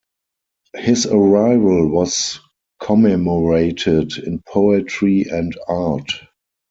His arrival was commemorated in poetry and art.